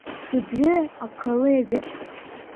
Төплө, аҡыллы егет.